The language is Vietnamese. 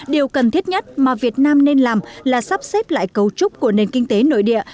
điều cần thiết nhất mà việt nam nên làm là sắp xếp lại cấu trúc của nền kinh tế nội địa